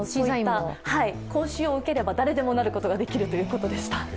講習を受ければ誰でもなることができるということでした。